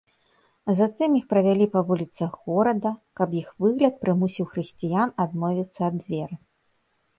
Затым іх правялі па вуліцах горада, каб іх выгляд прымусіў хрысціян адмовіцца ад веры.